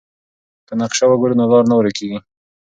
که نقشه وګورو نو لار نه ورکيږي.